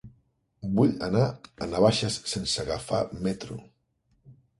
Vull anar a Navaixes sense agafar el metro.